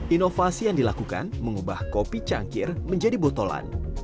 inovasi yang dilakukan mengubah kopi cangkir menjadi botolan